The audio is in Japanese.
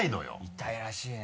痛いらしいね。